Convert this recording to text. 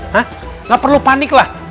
nah nggak perlu panik lah